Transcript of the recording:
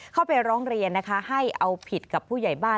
เข้าไปร้องเรียนนะคะให้เอาผิดกับผู้ใหญ่บ้าน